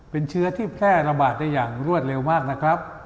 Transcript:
เป็นเชื้อที่แพร่ระบาดได้อย่างรวดเร็วมากนะครับ